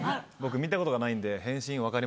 「僕見たことがないんで」。